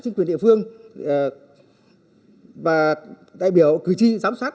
chính quyền địa phương và đại biểu kỳ thi giám sát